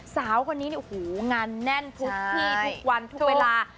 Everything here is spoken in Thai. สาววันนี้เนี่ยนานแน่นพุธที่ทุกวันทุกเวลา